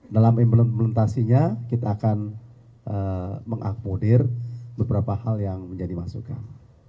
dalam implementasinya kita akan mengakomodir beberapa hal yang menjadi masukan